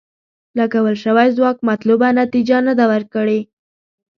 لګول شوی ځواک مطلوبه نتیجه نه ده ورکړې.